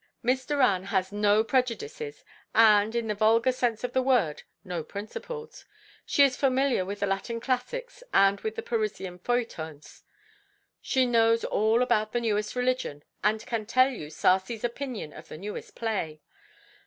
Miss Doran has no prejudices, and, in the vulgar sense of the word, no principles. She is familiar with the Latin classics and with the Parisian feuilletons; she knows all about the newest religion, and can tell you Sarcey's opinion of the newest play.